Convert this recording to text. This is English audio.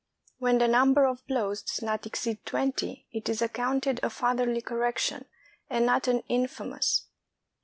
When the number of blows does not exceed twenty, it is accounted a fatherly correction, and not an infamous.